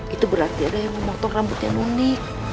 itu berarti ada yang memotong rambutnya noni